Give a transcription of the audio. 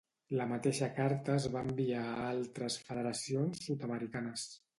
La mateixa carta es va enviar a altres federacions sud-americanes.